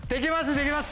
できます！